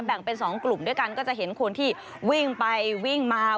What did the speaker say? แบ่งเป็น๒กลุ่มด้วยกันก็จะเห็นคนที่วิ่งไปวิ่งมา